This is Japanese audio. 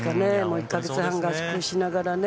１か月半、合宿しながらね。